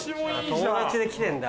友達で来てんだ。